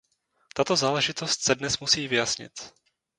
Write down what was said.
Tato záležitost se dnes musí vyjasnit.